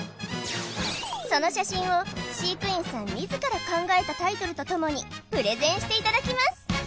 その写真を飼育員さん自ら考えたタイトルとともにプレゼンしていただきます